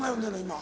今。